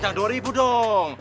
jangan dua ribu dong